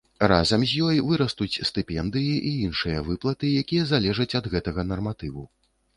Разам з ёй вырастуць стыпендыі і іншыя выплаты, якія залежаць ад гэтага нарматыву.